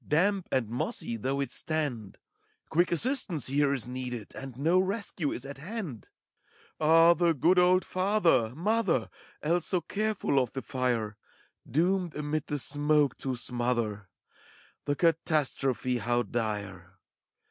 Damp and mossy though it stand: Quick assistance here is needed, A.nd no rescue is at hand I A h, the good old father, mother, Else so careful of the fire, Doomed amid the smoke to smother! — The catastrophe how dire!